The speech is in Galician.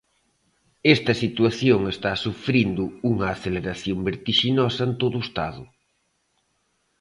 Esta situación está sufrindo unha aceleración vertixinosa en todo ou Estado.